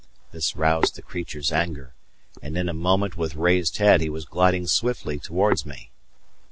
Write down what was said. This roused the creature's anger, and in a moment with raised head he was gliding swiftly towards me.